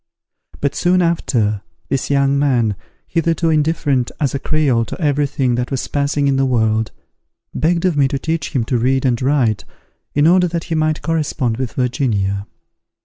But, soon after, this young man, hitherto indifferent as a Creole to every thing that was passing in the world, begged of me to teach him to read and write, in order that he might correspond with Virginia.